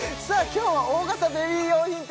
今日は大型ベビー用品店